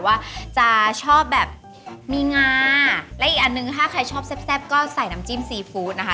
ว่าจะชอบแบบมีงาและอีกอันนึงถ้าใครชอบแซ่บก็ใส่น้ำจิ้มซีฟู้ดนะคะ